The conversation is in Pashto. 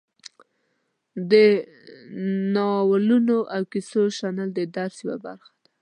د نالونو او کیسو شنل د درس یوه برخه ده.